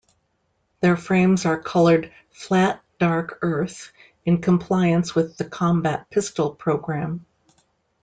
Their frames are colored "Flat Dark Earth" in compliance with the Combat Pistol program.